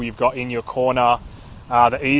saya pikir semakin banyak orang di sudut anda